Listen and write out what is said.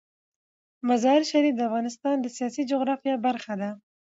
مزارشریف د افغانستان د سیاسي جغرافیه برخه ده.